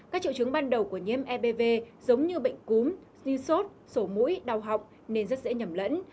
các triệu chứng ban đầu của nhiễm ebv giống như bệnh cúm như sốt sổ mũi đau họng nên rất dễ nhầm lẫn